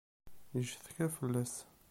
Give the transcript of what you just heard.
Yeccetka fell-as.